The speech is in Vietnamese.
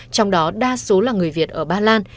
trong đó đa số là người việt ở bà làn